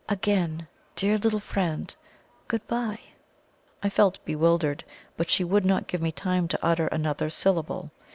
"Again, dear little friend, good bye!" I felt bewildered, but she would not give me time to utter another syllable.